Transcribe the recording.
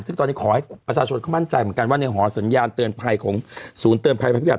ซึ่งตอนนี้ขอให้ประชาชนเขามั่นใจเหมือนกันว่าในหอสัญญาณเตือนภัยของศูนย์เตือนภัยภัยพิบั